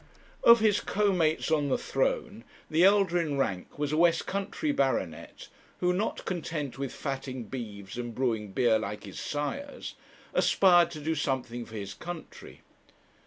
Of his co mates on the throne the elder in rank was a west country baronet, who, not content with fatting beeves and brewing beer like his sires, aspired to do something for his country.